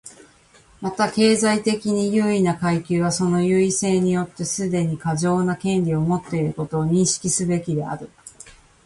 また、経済的に優位な階級はその優位性によってすでに過剰な権力を持っていることを認識すべきである。